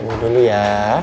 tunggu dulu ya